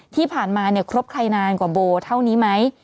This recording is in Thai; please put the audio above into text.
ที่ผ่านมาเนี่ยครบใครนานกว่าโบเท่านี้ไหม